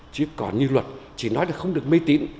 chứ còn như luật chỉ nói là không được mê tín